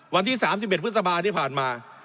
วันที่๓๑พฤษภาที่ผ่านมา